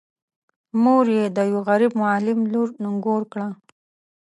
مور یې د یوه غريب معلم لور نږور کړه.